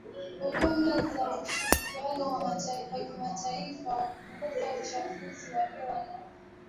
ujumla za ushirikiano wa kimataifa wa kupunguza uchafuzi wa hewa na